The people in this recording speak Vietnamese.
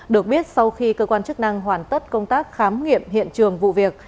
được biết sau khi cơ quan chức năng hoàn tất công tác khám nghiệm hiện trường vụ việc